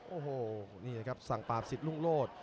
โอ้โหนี่ครับสังปราบศิษย์รุ่งโลศ